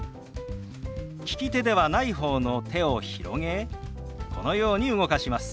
利き手ではない方の手を広げこのように動かします。